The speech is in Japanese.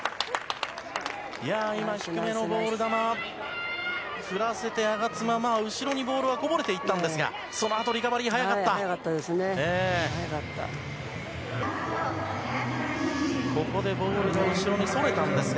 今、低めのボール球、振らせて我妻、後ろにボールはこぼれていったんですが、そのあと、速かったですね。